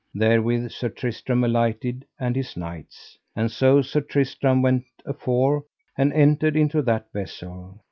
Therewith Sir Tristram alighted and his knights. And so Sir Tristram went afore and entered into that vessel.